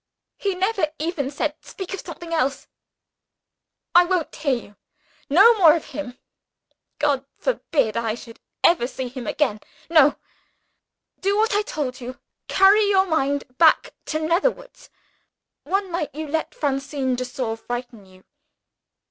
He never even said, speak of something else; I won't hear you! No more of him! God forbid I should ever see him again. No! Do what I told you. Carry your mind back to Netherwoods. One night you let Francine de Sor frighten you.